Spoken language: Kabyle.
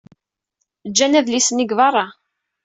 Ǧǧan adlis-nni deg beṛṛa.